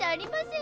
ん。